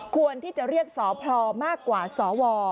ควรที่จะเรียกสพมากกว่าสว